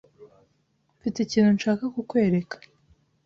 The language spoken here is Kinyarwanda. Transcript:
Mfite ikintu nshaka kukwereka.